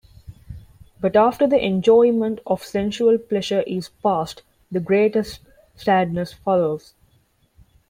But after the enjoyment of sensual pleasure is past, the greatest sadness follows.